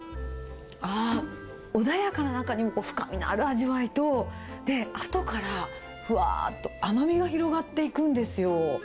ああ、穏やかな中に深みのある味わいと、あとから、ふわーっと甘みが広がっていくんですよ。